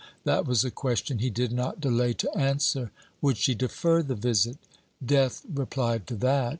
That was a question he did not delay to answer. Would she defer the visit? Death replied to that.